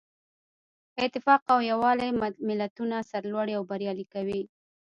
اتفاق او یووالی ملتونه سرلوړي او بریالي کوي.